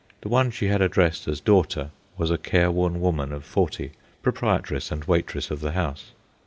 The one she had addressed as "daughter" was a careworn woman of forty, proprietress and waitress of the house.